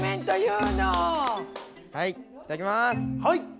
はい！